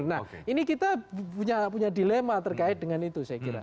nah ini kita punya dilema terkait dengan itu saya kira